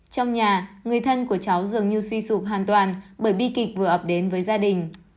trong nhà người thân của cháu dường như suy sụp hoàn toàn bởi bi kịch vừa ập đến với gia đình